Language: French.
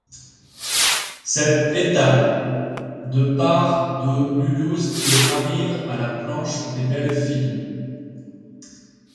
Cette étape de part de Mulhouse et arrive à La Planche des Belles Filles.